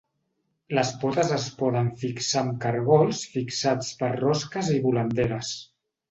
Les potes es poden fixar amb cargols fixats per rosques i volanderes.